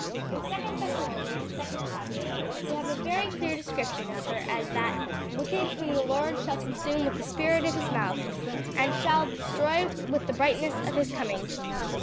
In second Thessalonians, second chapter, we have a very clear description of her as that 'Wicked whom the Lord shall consume with the spirit of his mouth, and shall destroy with the brightness of his coming.'